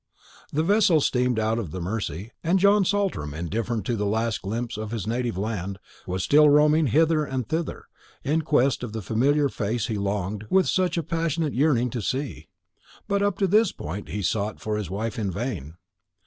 The vessel steamed put of the Mersey, and John Saltram, indifferent to the last glimpse of his native land, was still roaming hither and thither, in quest of the familiar face he longed with such a passionate yearning to see; but up to this point he sought for his wife in vain.